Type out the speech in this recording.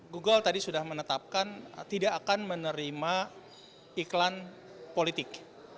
google tadi sudah menetapkan tidak akan menerima iklan politik